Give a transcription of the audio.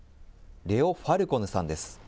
レオ・ファルコヌさんです。